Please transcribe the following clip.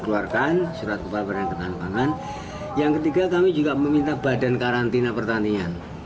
menjaga keamanan surat kupar dan keamanan yang ketiga kami juga meminta badan karantina pertanian